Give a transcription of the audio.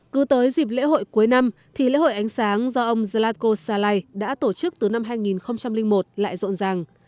cứ tới dịp lễ hội cuối năm thì lễ hội ánh sáng do ông zalako salay đã tổ chức từ năm hai nghìn một lại rộn ràng